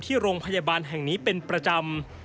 ที่โรงพยาบาลแห่งนี้เป็นประจำ